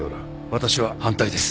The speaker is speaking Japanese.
私は反対です。